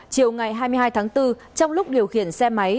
chiều ngày hai mươi hai tháng bốn trong lúc điều khiển xe máy